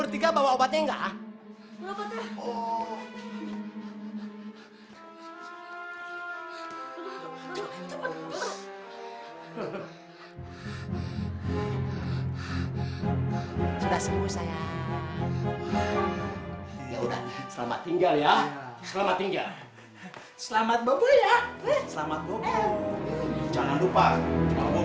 dia punya asma om